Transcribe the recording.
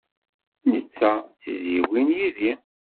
Netta d tizzyiwin yid-i.